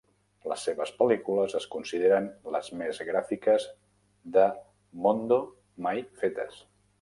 Les seves pel·lícules es consideren les més gràfiques de Mondo mai fetes.